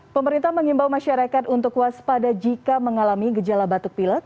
pemerintah mengimbau masyarakat untuk waspada jika mengalami gejala batuk pilek